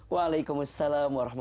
waalaikumsalam wr wb